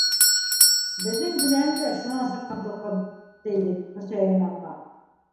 Беҙҙең дүнән дә шунан сыҡҡан тоҡом, ти бит Хөсәйен апа...